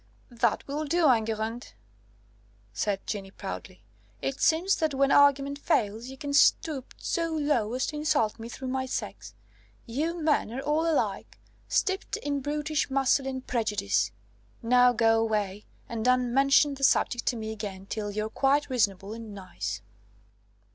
"That will do, Enguerrand," said Jeanne proudly; "it seems that when argument fails, you can stoop so low as to insult me through my sex. You men are all alike, steeped in brutish masculine prejudice. Now go away, and don't mention the subject to me again till you're quite reasonable and nice."